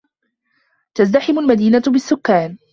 تَزْدَحِمُ الْمَدِينَةُ بِالسُّكَّانِ.